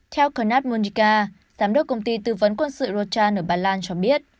theo karnat monika giám đốc công ty tư vấn quân sự rochan ở bà lan cho biết